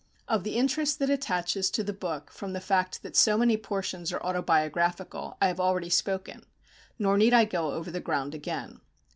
Of the interest that attaches to the book from the fact that so many portions are autobiographical, I have already spoken; nor need I go over the ground again.